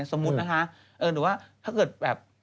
สมมุตินะคะหรือว่าถ้าเกิดแบบ